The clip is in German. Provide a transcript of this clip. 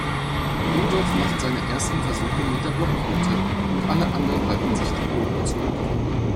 Rudolf macht seine ersten Versuche mit der Blockflöte und alle anderen halten sich die Ohren zu.